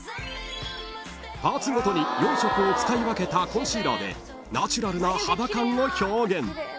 ［パーツごとに４色を使い分けたコンシーラーでナチュラルな肌感を表現］